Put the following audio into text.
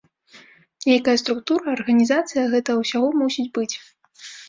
Нейкая структура, арганізацыя гэтага ўсяго мусіць быць.